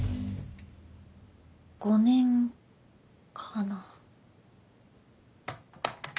５年かな。